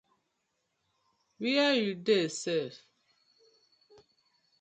Where yu dey sef?